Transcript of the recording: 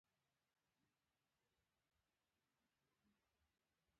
راکټ ډېر دقیق سیستم لري